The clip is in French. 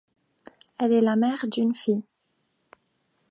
Elle est la mère d’une fille.